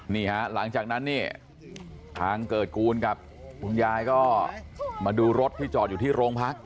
นี่ฮะหลังจากนั้นเนี่ยทางเกิดกูลกับคุณยายก็มาดูรถที่จอดอยู่ที่โรงพัก